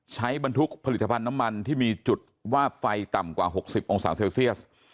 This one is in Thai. บรรทุกผลิตภัณฑ์น้ำมันที่มีจุดวาบไฟต่ำกว่า๖๐องศาเซลเซียส